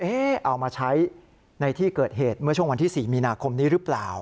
เอามาใช้ในที่เกิดเหตุเมื่อช่วงวันที่๔มีนาคมนี้หรือเปล่า